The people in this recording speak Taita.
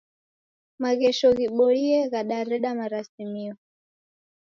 Maghesho ghiboie ghadareda marasimio.